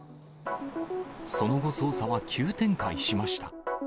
その後、捜査は急展開しました。